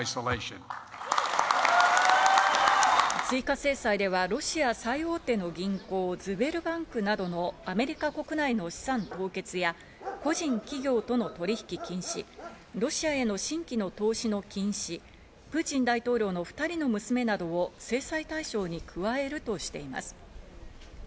追加制裁ではロシア最大手の銀行ズベルバンクなどのアメリカ国内の資産凍結や個人・企業との取引禁止、ロシアへの新規の投資の禁止、プーチン大統領の２人の娘などを制裁対象に加えるとしています。